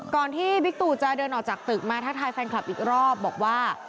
ที่บิ๊กตูจะเดินออกจากตึกมาทักทายแฟนคลับอีกรอบบอกว่า